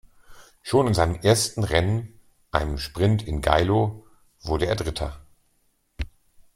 Schon in seinem ersten Rennen, einem Sprint in Geilo, wurde er Dritter.